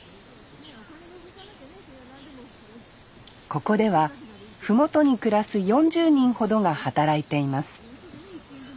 ここでは麓に暮らす４０人ほどが働いています